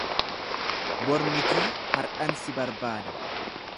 Bor mitii hardhan si barbaada.